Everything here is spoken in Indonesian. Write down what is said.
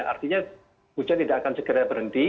artinya hujan tidak akan segera berhenti